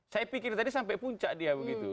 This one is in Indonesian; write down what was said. saya pikir tadi sampai puncak dia begitu